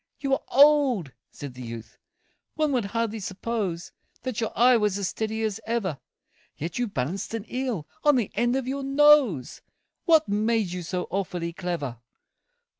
"You are old," said the youth, "one would hardly suppose That your eye was as steady as ever; Yet you balanced an eel on the end of your nose What made you so awfully clever?"